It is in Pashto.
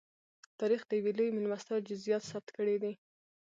تاریخ د یوې لویې مېلمستیا جزییات ثبت کړي دي.